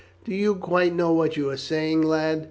"Do you quite know what you are saying, lad?"